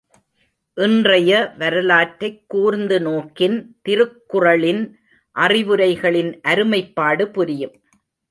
இன்றைய வரலாற்றைக் கூர்ந்து நோக்கின் திருக்குறளின் அறிவுரைகளின் அருமைப்பாடு புரியும்.